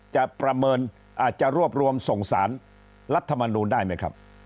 ประเมินอาจจะรวบรวมส่งสารรัฐมนูลได้ไหมครับ